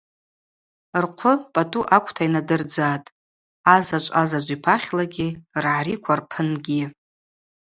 Рхъвы пӏатӏу аквта йнадырдзатӏ – азаджв азаджв йпахьлагьи, ргӏариква рпынгьи.